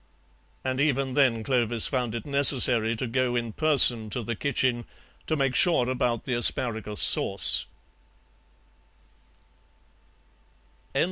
And even then Clovis found it necessary to go in person to the kitchen to make sure about the asparagus sauce.